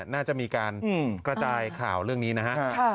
น่าจะมีการกระจายข่าวเรื่องนี้นะฮะ